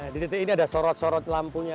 di titik ini ada sorot sorot lampunya